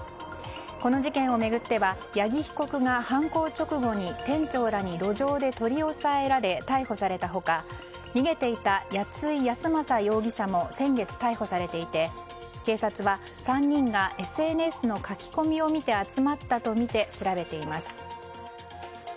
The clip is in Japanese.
この事件を巡っては、八木被告が犯行直後に店長らに路上で取り押さえられ逮捕された他逃げていた谷井泰雅容疑者も先月逮捕されていて警察は、３人がＳＮＳの書き込みを見て集まったとみて調べています。